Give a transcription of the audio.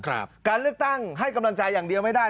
การเลือกตั้งให้กำลังใจอย่างเดียวไม่ได้